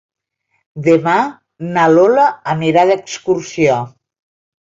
Demà na Lola anirà d'excursió.